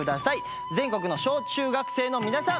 全国の小中学生の皆さん。